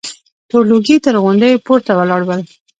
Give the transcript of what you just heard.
تور لوګي تر غونډيو پورته ولاړ ول.